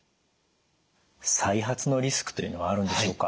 再発のリスクというのはあるんでしょうか？